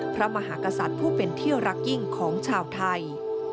พระมหากษัตริย์ผู้เป็นที่รักยิ่งของชาวไทย